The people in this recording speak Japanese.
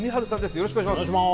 よろしくお願いします。